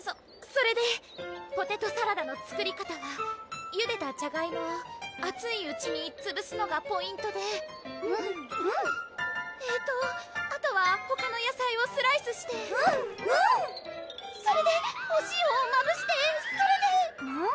それでポテトサラダの作り方はゆでたじゃがいもをあついうちにつぶすのがポイントでうんうんえっとあとはほかの野菜をスライスしてうんうんそれでお塩をまぶしてそれでうん？